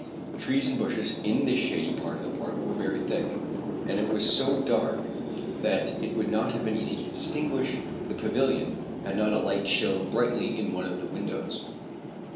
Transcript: The trees and bushes in this shady part of the park were very thick, and it was so dark that it would not have been easy to distinguish the pavilion had not a light shone brightly in one of the windows.